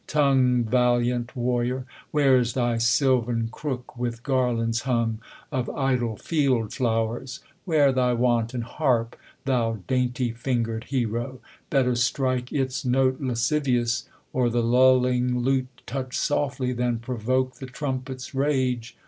Tongue valiant warrior ! Where is thy sylvan crook, with garlands hung, Of idle field flowers ? Where thy wanton harp, 'Thou dainty fing'cr'd hero ? Better strike Its note lascivious, or the lulling lute Touch softly, than provoke the trumpet's rage.